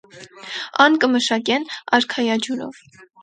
Ան կը մշակեն արքայաջուրով։